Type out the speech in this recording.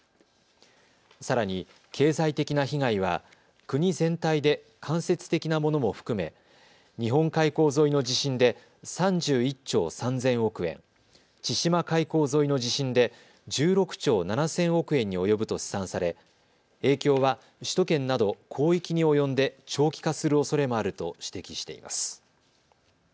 さらに、経済的な被害は国全体で間接的なものも含め日本海溝沿いの地震で３１兆３０００億円、千島海溝沿いの地震で１６兆７０００億円に及ぶと試算され、影響は首都圏など広域に及んで長期化するおそれもあると指摘しています。